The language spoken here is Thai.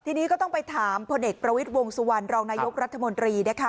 ทีนี้ก็ต้องไปถามพลเอกประวิทย์วงสุวรรณรองนายกรัฐมนตรีนะคะ